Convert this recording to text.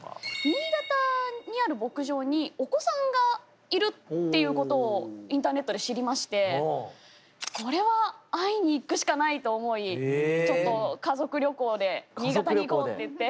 新潟にある牧場にお子さんがいるっていうことをインターネットで知りましてこれは会いに行くしかないと思いちょっと家族旅行で「新潟に行こう！」って言って。